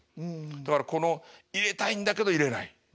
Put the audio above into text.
だからこの入れたいんだけど入れない。